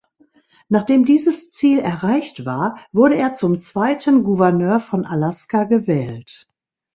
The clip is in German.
Nachdem dieses Ziel erreicht war, wurde er zum zweiten Gouverneur von Alaska gewählt.